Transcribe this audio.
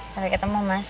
sampai ketemu mas